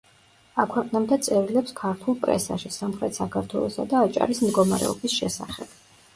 აქვეყნებდა წერილებს ქართულ პრესაში სამხრეთ საქართველოსა და აჭარის მდგომარეობის შესახებ.